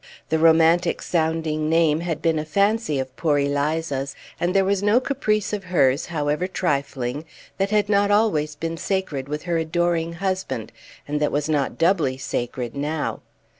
The romantic sounding name had been a fancy of poor Eliza's; and there was no caprice of hers, however trifling, that had not always been sacred with her adoring husband, and that was not doubly sacred now.